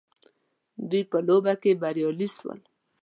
دوی په لوبه کي بريالي سول